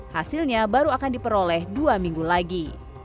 hasilnya baru akan diperoleh dua minggu lagi